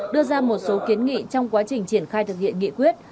đưa ra một số kiến nghị trong quá trình triển khai thực hiện nghị quyết